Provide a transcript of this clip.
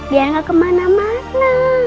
biar gak kemana mana